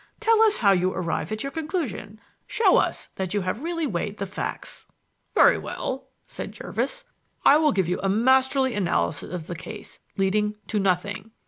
Tell us how you arrive at your conclusion. Show us that you have really weighed the facts." "Very well," said Jervis, "I will give you a masterly analysis of the case leading to nothing."